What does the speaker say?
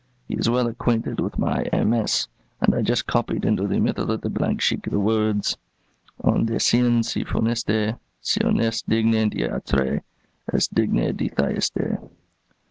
He is well acquainted with my MS., and I just copied into the middle of the blank sheet the words "' Un dessein si funeste, S'il n'est digne d'Atrée, est digne de Thyeste.'